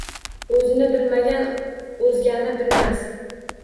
O‘zini bilmagan o‘zgani bilmas.